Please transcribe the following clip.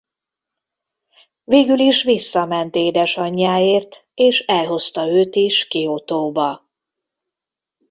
Végül is visszament édesanyjáért és elhozta őt is Kiotóba.